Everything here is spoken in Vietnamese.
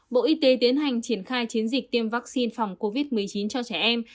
bộ y tế tiến hành triển khai chiến dịch tiêm vaccine phòng covid một mươi chín cho trẻ em